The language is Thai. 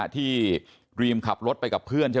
ที่ดรีมขับรถไปกับเพื่อน